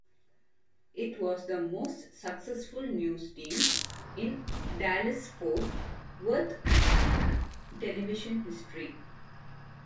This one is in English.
It was the most successful news teams in Dallas-Fort Worth television history.